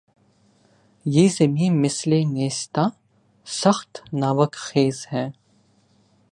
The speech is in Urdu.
یہ زمیں مثلِ نیستاں‘ سخت ناوک خیز ہے